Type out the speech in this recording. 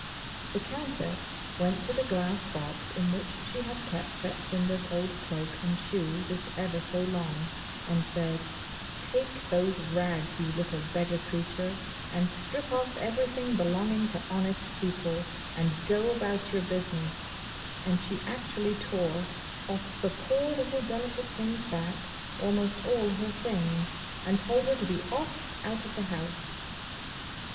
The Countess went to the glass box in which she had kept Betsinda's old cloak and shoe this ever so long, and said, 'Take those rags, you little beggar creature, and strip off everything belonging to honest people, and go about your business'; and she actually tore off the poor little delicate thing's back almost all her things, and told her to be off out of the house.